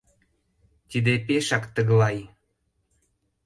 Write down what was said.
— Тиде пешак тыглай!